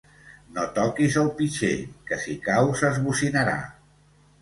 No toquis el pitxer, que si cau s'esbocinarà.